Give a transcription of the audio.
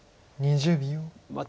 ２０秒。